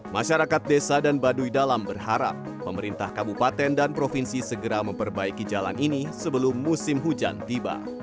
masyarakat desa dan baduy dalam berharap pemerintah kabupaten dan provinsi segera memperbaiki jalan ini sebelum musim hujan tiba